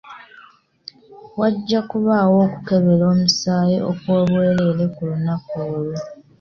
Wajja kubaawo okukebera omusaayi okw'obwereere ku lunaku olwo.